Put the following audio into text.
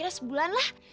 kira kira sebulan lah